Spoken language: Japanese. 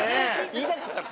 言いたかったの？